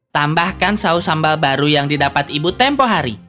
tambahkan saus sambal baru yang didapat ibu tempohari